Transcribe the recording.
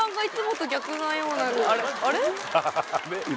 あれ？